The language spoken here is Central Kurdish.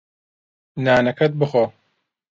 نانەکەت بخۆ.